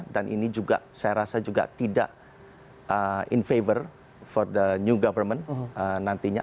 dan ini juga saya rasa juga tidak in favor for the new government nantinya